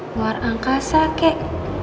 luar angkasa kek